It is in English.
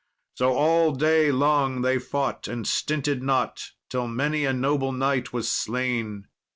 So all day long they fought, and stinted not till many a noble knight was slain.